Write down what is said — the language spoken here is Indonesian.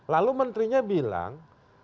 lalu menterinya bilang